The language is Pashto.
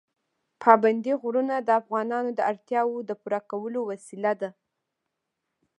پابندی غرونه د افغانانو د اړتیاوو د پوره کولو وسیله ده.